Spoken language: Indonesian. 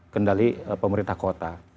kendali pemerintah kota